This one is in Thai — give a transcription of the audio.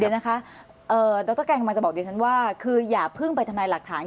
เดี๋ยวนะคะดรแกนกำลังจะบอกดิฉันว่าคืออย่าเพิ่งไปทำลายหลักฐาน